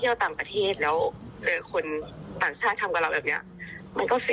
แล้วเจอคนต่างชาติทำกับเราแบบนี้